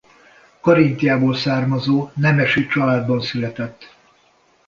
Karintiából származó nemesi családban született.